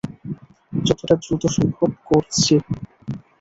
যতোটা দ্রুত সম্ভব, করছি!